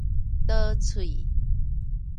刀喙